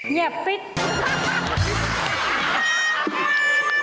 เจ็บปิ๊ก